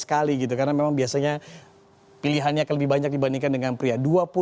karena memang biasanya pilihannya akan lebih banyak dibandingkan dengan pria